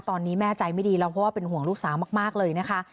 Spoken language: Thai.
ตอนนี้แม่ใจไม่ดีแล้วเพราะว่าเป็นห่วงลูกสาวมากเลยนะคะ